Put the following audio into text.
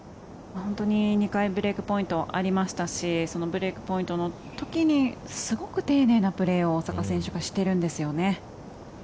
本当に２回ブレークポイントありましたしそのブレークポイントの時にすごく丁寧なプレーを大坂選手がしているんですよね。